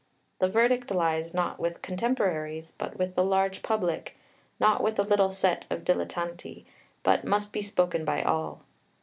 The verdict lies not with contemporaries, but with the large public, not with the little set of dilettanti, but must be spoken by all.